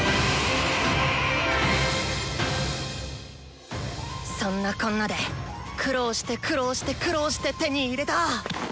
心の声そんなこんなで苦労して苦労して苦労して手に入れた！